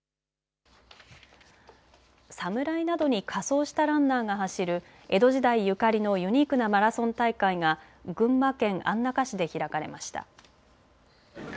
侍などに仮装したランナーが走る江戸時代ゆかりのユニークなマラソン大会が群馬県安中市で開かれました。